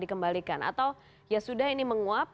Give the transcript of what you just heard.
dikembalikan atau ya sudah ini menguap